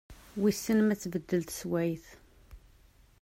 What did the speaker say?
Wissen ma ad tbeddel teswiɛt?